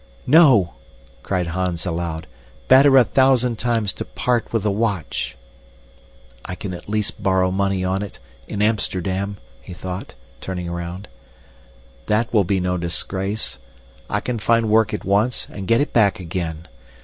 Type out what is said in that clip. "No," cried Hans aloud, "better a thousand times to part with the watch." I can at least borrow money on it, in Amsterdam! he thought, turning around. That will be no disgrace. I can find work at once and get it back again.